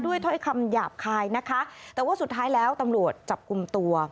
ถ้อยคำหยาบคายนะคะแต่ว่าสุดท้ายแล้วตำรวจจับกลุ่มตัว